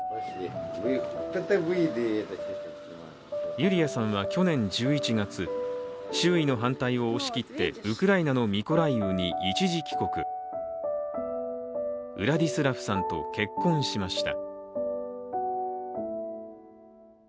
ユリアさんは去年１１月、周囲の反対を押し切ってウクライナのミコライウに一時帰国、ウラディスラフさんと結婚しました。